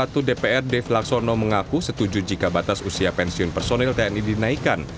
komisi satu dpr dave laksono mengaku setuju jika batas usia pensiun personil tni dinaikkan